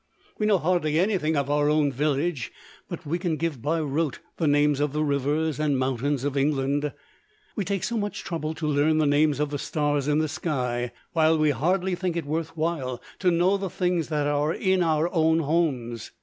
We know hardly anything of our own village, but we can give by rote the names of the rivers and mountains of England! We take so much trouble to learn the names of the stars in the sky, while we hardly think it worth while to know the things that are in our own homes!